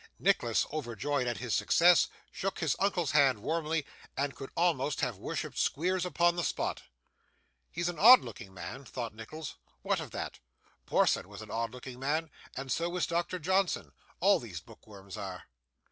Nicholas, overjoyed at his success, shook his uncle's hand warmly, and could almost have worshipped Squeers upon the spot. 'He is an odd looking man,' thought Nicholas. 'What of that? Porson was an odd looking man, and so was Doctor Johnson; all these bookworms are.